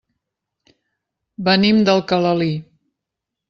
Venim d'Alcalalí.